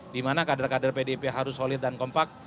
dimana kader kader pdip harus solid dan kompak